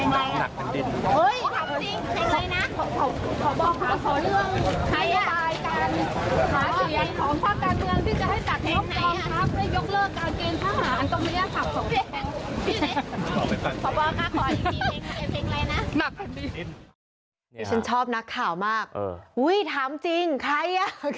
นี่ฉันชอบนักข่าวมากอุ้ยถามจริงใครอ่ะ